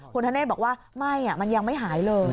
คุณธเนธบอกว่าไม่มันยังไม่หายเลย